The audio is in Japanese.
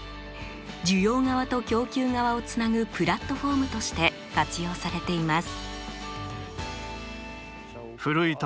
需要側と供給側をつなぐプラットフォームとして活用されています。